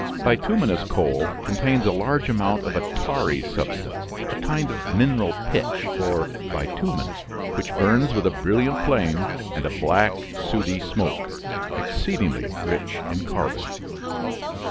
Bituminous coal contains a large amount of a tarry substance, a kind of mineral pitch or bitumen, which burns with a brilliant flame and a black sooty smoke, exceedingly rich in carbon.